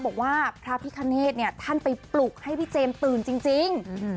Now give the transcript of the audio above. บอกว่าพระพิคเนธเนี่ยท่านไปปลุกให้พี่เจมส์ตื่นจริง